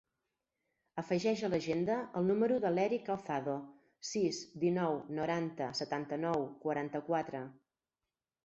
Afegeix a l'agenda el número de l'Erick Calzado: sis, dinou, noranta, setanta-nou, quaranta-quatre.